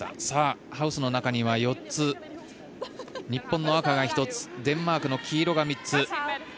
さあ、ハウスの中には４つ日本の赤が１つデンマークの黄色が３つ。